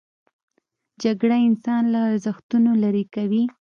جګړه انسان له ارزښتونو لیرې کوي